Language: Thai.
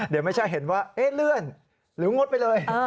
เดี๋ยวไม่ใช่เห็นว่าเลื่อนหรืองดไปเลย